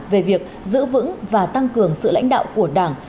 về việc giữ vững và tăng cường sự lãnh đạo của đảng